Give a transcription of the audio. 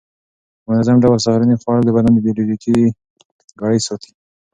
په منظم ډول سهارنۍ خوړل د بدن بیولوژیکي ګړۍ ساتي.